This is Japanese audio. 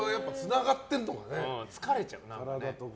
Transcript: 疲れちゃう。